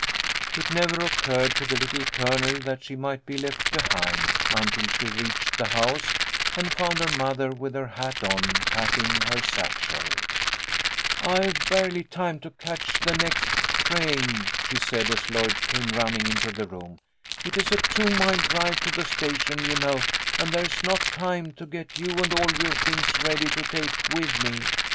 It never occurred to the Little Colonel that she might be left behind, until she reached the house and found her mother with her hat on, packing her satchel. "I've barely time to catch the next train," she 52 THE LITTLE COLONEL'S HOLIDAYS. said, as Lloyd came running into the room. " It is a two mile drive to the station, you know, and there's not time to get you and all your things ready to take with me.